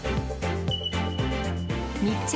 密着！